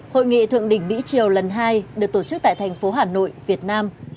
hội nghị thượng đỉnh mỹ triều lần hai được tổ chức tại thành phố hà nội việt nam